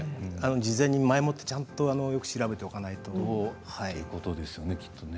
事前に前もってよく調べておかないとということですね。